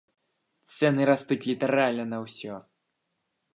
Цэны растуць літаральна на ўсё.